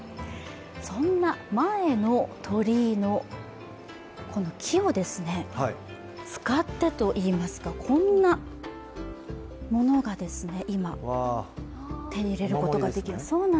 そんな前の鳥居の木を使ってといいますか、こんなものが今、手に入れることができる。